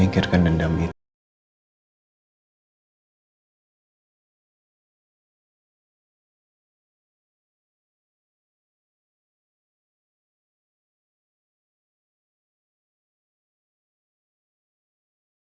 masih jadi penipu samaished